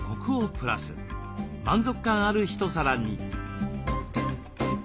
満足感ある一皿に。